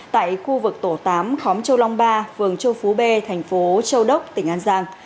tại khu vực tổ tám khóm châu long ba phường châu phú b thành phố châu đốc tỉnh an giang